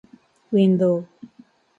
window